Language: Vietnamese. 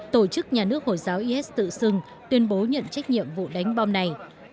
tổ chức nhà nước hồi giáo is tự xưng tuyên bố nhận trách nhiệm vụ đánh bom này